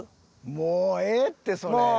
もうええってそれ。